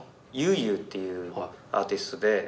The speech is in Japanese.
ｙｕっていうアーティストで。